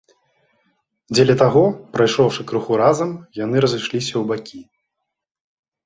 Дзеля таго, прайшоўшы крыху разам, яны разышліся ў бакі.